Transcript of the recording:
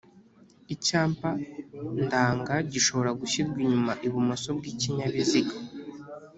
icyapa ndanga gishobora gushyirwa inyuma ibumoso bw'ikinyabiziga.